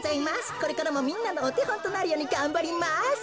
これからもみんなのおてほんとなるようにがんばります。